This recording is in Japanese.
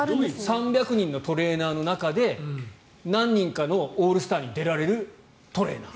３００人のトレーナーの中で何人かのオールスターに出られるトレーナー。